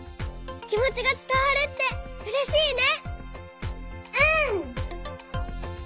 きもちがつたわるってうれしいね！